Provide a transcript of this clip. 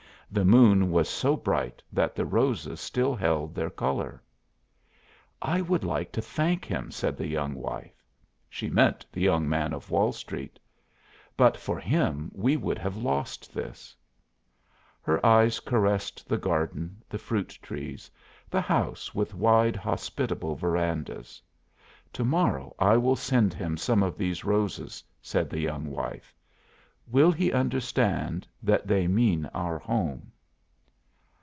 The moon was so bright that the roses still held their color. "I would like to thank him," said the young wife. She meant the Young Man of Wall Street. "But for him we would have lost this." Her eyes caressed the garden, the fruit trees, the house with wide, hospitable verandas. "To morrow I will send him some of these roses," said the young wife. "Will he understand that they mean our home?"